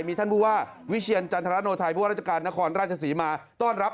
มีท่านผู้ว่าวิเชียรจันทรโนไทยผู้ว่าราชการนครราชศรีมาต้อนรับ